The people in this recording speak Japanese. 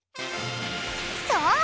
そう！